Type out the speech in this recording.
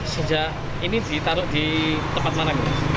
sejak ini ditaruh di tempat mana